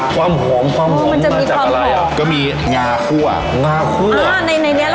ความหอมมันจากอะไร